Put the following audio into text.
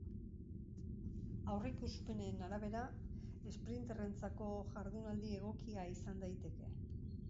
Aurreikuspenen arabera, esprinterrentzako jardunaldi egokia izan daiteke.